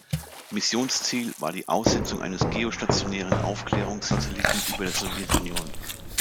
Missionsziel war die Aussetzung eines geostationären Aufklärungssatelliten über der Sowjetunion.